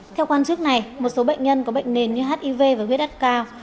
theo quan chức này một số bệnh nhân có bệnh nền như hiv và viết đắt cao